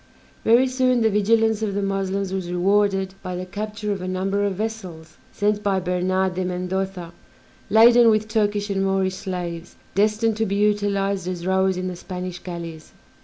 Very soon the vigilance of the Moslems was rewarded by the capture of a number of vessels, sent by Bernard de Mendoza laden with Turkish and Moorish slaves, destined to be utilized as rowers in the Spanish galleys.